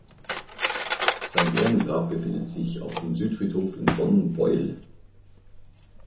Sein Ehrengrab befindet sich auf dem Südfriedhof in Bonn-Beuel.